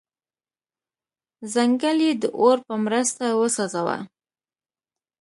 ځنګل یې د اور په مرسته وسوځاوه.